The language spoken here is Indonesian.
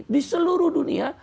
di seluruh dunia